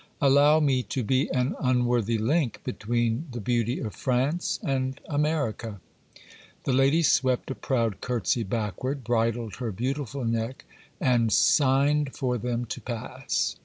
'Allow me to be an unworthy link between the beauty of France and America.' The lady swept a proud curtsy backward, bridled her beautiful neck, and signed for them to pass.